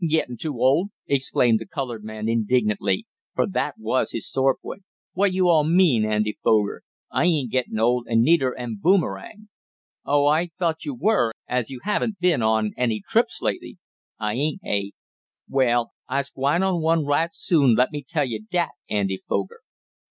"Gittin' too old!" exclaimed the colored man indignantly, for that was his sore point. "What yo' all mean, Andy Foger? I ain't gittin' old, an' neider am Boomerang." "Oh, I thought you were, as you haven't been on any trips lately." "I ain't, hey? Well I's gwine on one right soon, let me tell you dat, Andy Foger!"